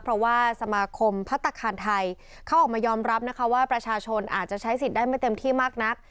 เพราะว่าสมาคมพัฒนาคารไทยเขาออกมายอมรับนะคะว่าประชาชนอาจจะใช้สิทธิ์ได้ไม่เต็มที่มากนัก